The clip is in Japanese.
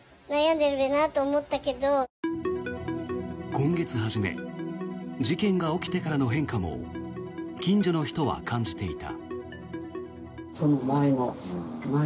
今月初め事件が起きてからの変化も近所の人は感じていた。